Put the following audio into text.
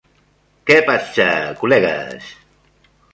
Què passa, col·legues?